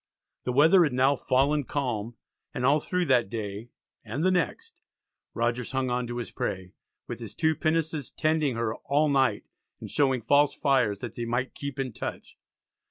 The weather had now "fallen calm," and all through that day and the next Rogers hung on to his prey, with his two pinnaces tending her "all night," and showing "false fires" that they might keep in touch.